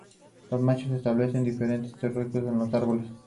Especialmente hermosa por su simplicidad es la primera de las escenas.